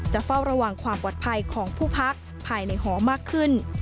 เฝ้าระวังความปลอดภัยของผู้พักภายในหอมากขึ้น